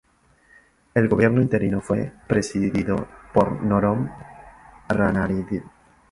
El gobierno interino fue presidido por Norodom Ranariddh.